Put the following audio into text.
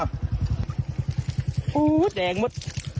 โอ้โหแดงหมด